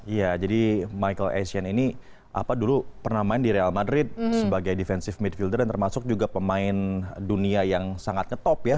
iya jadi michael asian ini apa dulu pernah main di real madrid sebagai defensive midfielder dan termasuk juga pemain dunia yang sangat ngetop ya